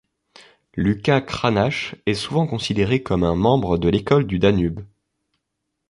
Lucas Cranach est souvent considéré comme un membre de l'école du Danube.